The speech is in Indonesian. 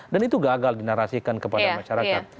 dan itu gagal dinarasikan kepada masyarakat